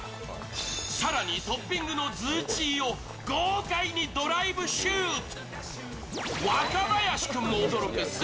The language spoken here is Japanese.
更にトッピングのズーチーを豪快にドライブシュート！